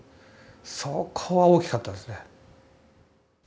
そこは大きかったですね。